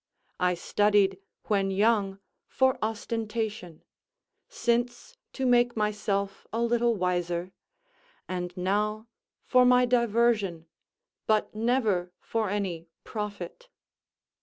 I studied, when young, for ostentation; since, to make myself a little wiser; and now for my diversion, but never for any profit.